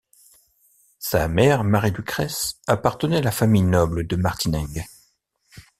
Sa mère, Mari-Lucrèce, appartenait à la famille noble de Martineng.